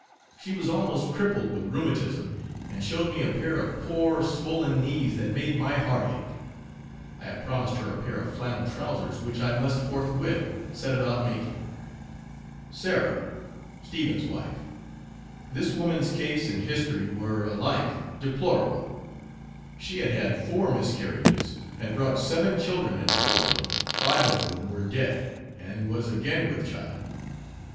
She was almost crippled with rheumatism, and showed me a pair of poor swollen knees that made my heart ache. I have promised her a pair of flannel trowsers, which I must forthwith set about making. Sarah, Stephen's wife, this woman's case and history were, alike, deplorable, she had had four miscarriages, had brought seven children into the world, five of whom were dead, and was again with child.